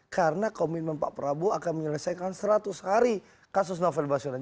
karena komitmen pak prabowo akan menyelesaikan seratus hari kasus novel baswedan